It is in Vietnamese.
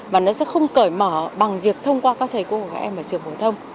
và nó sẽ không cởi mở bằng việc thông qua các thầy cô của các em ở trường phổ thông